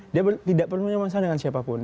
dia tidak bermasalah dengan siapapun